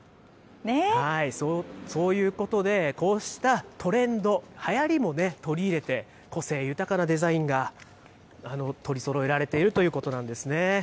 そういうことで、こうしたトレンド、はやりも取り入れて、個性豊かなデザインが取りそろえられているということなんですね。